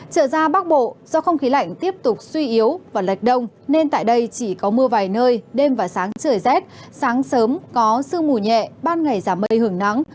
trở ra bắc bộ do không khí lạnh tiếp tục suy yếu và lệch đông nên tại đây chỉ có mưa vài nơi đêm và sáng trời rét sáng sớm có sương mù nhẹ ban ngày giảm mây hưởng nắng